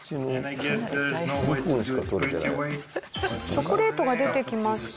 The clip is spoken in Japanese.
チョコレートが出てきました。